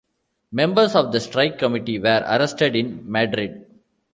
Members of the strike committee were arrested in Madrid.